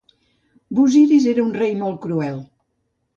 Busiris era un rei molt cruel.